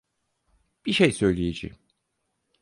Bir şey söyleyeceğim.